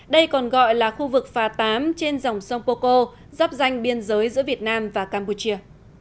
đây còn gọi là khu vực phà tám trên dòng sông poco giáp danh biên giới giữa việt nam và campuchia